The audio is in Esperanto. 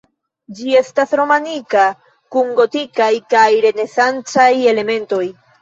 Ĝi estas romanika kun gotikaj kaj renesancaj elementoj.